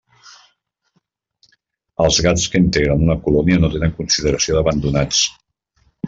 Els gats que integren una colònia no tenen consideració d'abandonats.